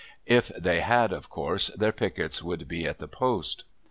If they had of course their pickets would be at the post.